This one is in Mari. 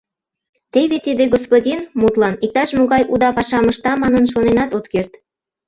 Теве тиде господин, мутлан, иктаж-могай уда пашам ышта манын шоненат от керт.